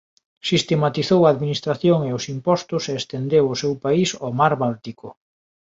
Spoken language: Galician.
Sistematizou a administración e os impostos e estendeu o seu país ao mar Báltico.